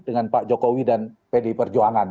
dengan pak jokowi dan pdi perjuangan